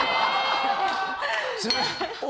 すいません。